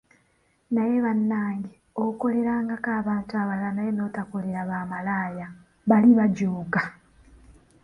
Naye bannange okolerangako abantu abalala naye n'otakolera bamalaaya, bali nga bajooga!